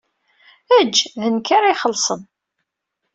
Eǧǧ, d nekk ara ixellṣen.